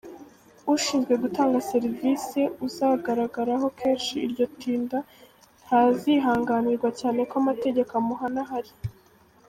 Ushinzwe gutanga serivisi uzagaragaraho kenshi iryo tinda ntazihanganirwa cyane ko amategeko amuhana ahari”.